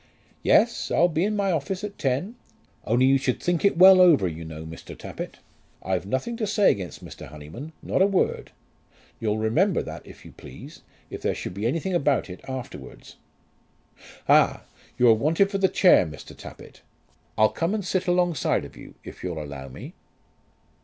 "Yes; I'll be in my office at ten; only you should think it well over, you know, Mr. Tappitt. I've nothing to say against Mr. Honyman, not a word. You'll remember that, if you please, if there should be anything about it afterwards. Ah! you're wanted for the chair, Mr. Tappitt. I'll come and sit alongside of you, if you'll allow me."